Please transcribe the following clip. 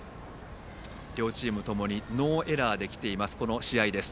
両チームともにノーエラーできているこの試合です。